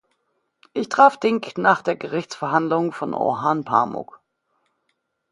Ich traf Dink nach der Gerichtsverhandlung von Orhan Pamuk.